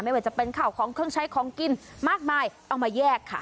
ว่าจะเป็นข่าวของเครื่องใช้ของกินมากมายเอามาแยกค่ะ